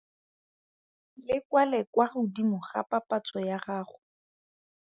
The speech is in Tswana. Le kwale kwa godimo ga papatso ya gago.